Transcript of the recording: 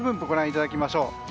ご覧いただきましょう。